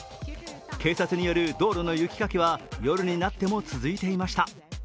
警察による道路の雪かきは夜になっても続いていました。